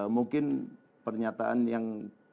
mungkin pernyataan yang